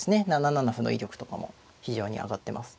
７七歩の威力とかも非常に上がってます。